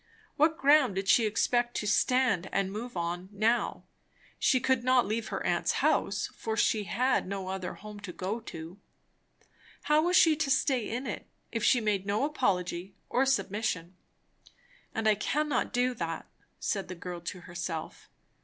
What ground did she expect to stand and move on now? She could not leave her aunt's house, for she had no other home to go to. How was she to stay in it, if she made no apology or submission? And I cannot do that, said the girl to herself.